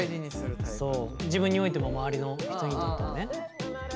自分においても周りの人にとってもね。